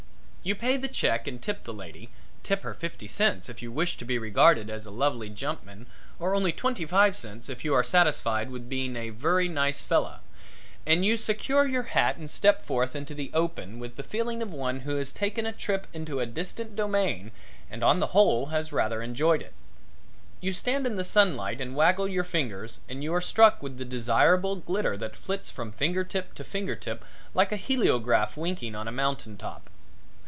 You pay the check and tip the lady tip her fifty cents if you wish to be regarded as a lovely jumpman or only twenty five cents if you are satisfied with being a vurry nice fella and you secure your hat and step forth into the open with the feeling of one who has taken a trip into a distant domain and on the whole has rather enjoyed it. You stand in the sunlight and waggle your fingers and you are struck with the desirable glitter that flits from finger tip to finger tip like a heleograph winking on a mountain top.